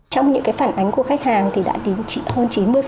trong những phản ánh của khách hàng thì đã đến chỉ hơn chín mươi